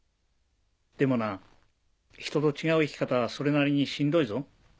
でもな人と違う生き方はそれなりにしんどいぞ。